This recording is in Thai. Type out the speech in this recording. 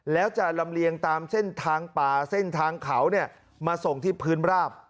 แล้วจะลำเลียงตามเส้นทางป่าเส้นทางเขามาส่งที่พื้นราบ